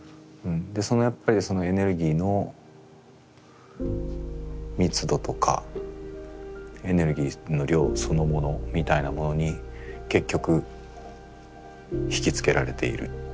でそのやっぱりそのエネルギーの密度とかエネルギーの量そのものみたいなものに結局惹きつけられているということなのかもしれないですね。